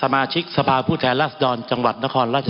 มันมีมาต่อเนื่องมีเหตุการณ์ที่ไม่เคยเกิดขึ้น